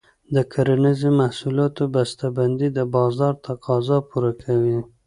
د کرنیزو محصولاتو بسته بندي د بازار تقاضا پوره کوي.